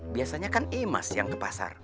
biasanya kan emas yang ke pasar